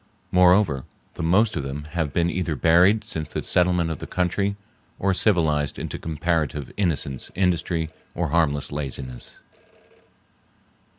Moreover, the most of them have been either buried since the settlement of the country or civilized into comparative innocence, industry, or harmless laziness.